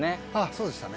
そうでしたね。